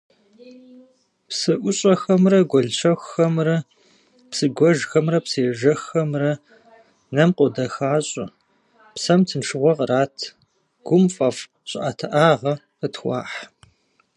Псыӏущӏэхэмрэ гуэл щэхухэмрэ, псыгуэжхэмрэ псыежэххэмрэ нэм къодэхащӏэ, псэм тыншыгъуэ кърат, гум фӏэфӏ щӏыӏэтыӏагъэ къытхуахь.